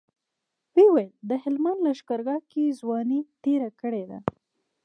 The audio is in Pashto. ويې ويل د هلمند لښکرګاه کې ځواني تېره کړې ده.